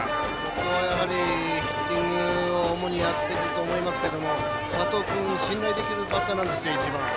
ここは、やはりヒッティングを主にやっていくと思いますけど佐藤君、信頼できるバッターなんですよ。